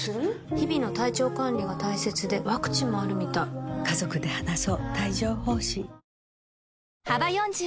日々の体調管理が大切でワクチンもあるみたい幅４０